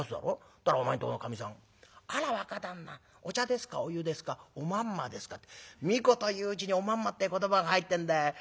ったらお前んとこのかみさん『あら若旦那お茶ですかお湯ですかおまんまですか』って三言言ううちにおまんまって言葉が入ってんだ。